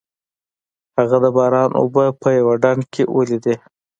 هغه د باران اوبه په یوه ډنډ کې ولیدې.